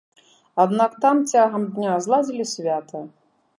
Аднак там цягам дня зладзілі свята.